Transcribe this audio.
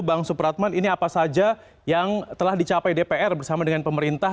bang supratman ini apa saja yang telah dicapai dpr bersama dengan pemerintah